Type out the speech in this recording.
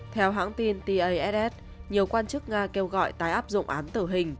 theo hãng tin tass nhiều quan chức nga kêu gọi tái áp dụng án tử hình